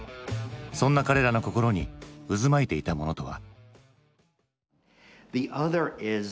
そんな彼らの心に渦巻いていたものとは？